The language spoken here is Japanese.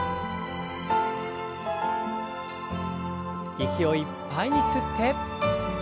息をいっぱいに吸って。